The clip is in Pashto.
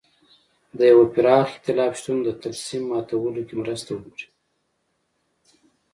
د یوه پراخ اېتلاف شتون د طلسم ماتولو کې مرسته وکړي.